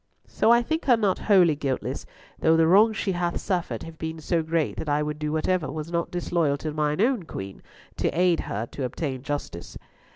So I think her not wholly guiltless, though the wrongs she hath suffered have been so great that I would do whatever was not disloyal to mine own Queen to aid her to obtain justice."